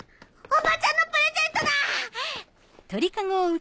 おばちゃんのプレゼントだ！